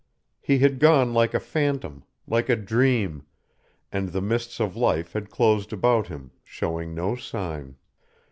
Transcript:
He had gone like a phantom, like a dream, and the mists of life had closed about him, showing no sign.